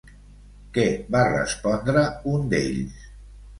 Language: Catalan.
Què va respondre un d'ells?